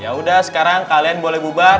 yaudah sekarang kalian boleh bubar